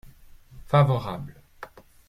Favorable.